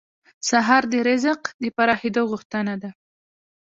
سهار د رزق د پراخېدو غوښتنه ده.